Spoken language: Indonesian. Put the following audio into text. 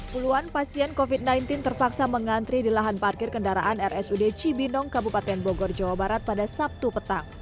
puluhan pasien covid sembilan belas terpaksa mengantri di lahan parkir kendaraan rsud cibinong kabupaten bogor jawa barat pada sabtu petang